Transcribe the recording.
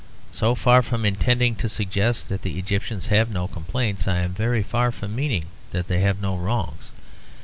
So far from intending to suggest that the Egyptians have no complaints, I am very far from meaning that they have no wrongs.